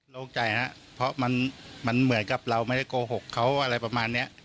โลกใจครับเพราะมันเหมือนกับเราไม่ได้โกหกเขาอะไรประมาณนี้